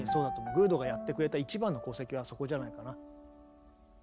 グールドがやってくれた一番の功績はそこじゃないかな。